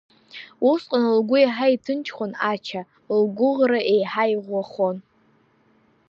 Усҟан лгәы еиҳа иҭынчхон Ача, лгәыӷра еиҳа иӷәӷәахон.